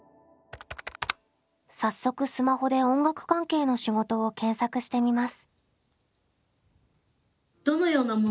早速スマホで音楽関係の仕事を検索してみます。